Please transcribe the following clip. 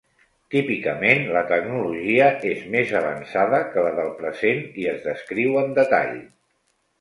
Típicament, la tecnologia és més avançada que la del present i es descriu en detall.